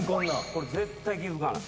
これ絶対気付かない。